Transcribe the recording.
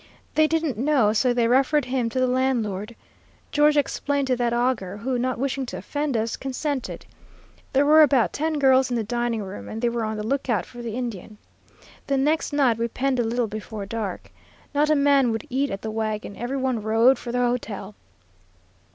They didn't know, so they referred him to the landlord. George explained to that auger, who, not wishing to offend us, consented. There were about ten girls in the dining room, and they were on the lookout for the Indian. The next night we penned a little before dark. Not a man would eat at the wagon; every one rode for the hotel.